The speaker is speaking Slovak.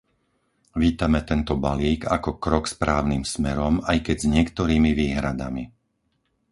Vítame tento balík ako krok správnym smerom, aj keď s niektorými výhradami.